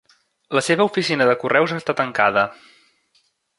La seva oficina de correus està tancada.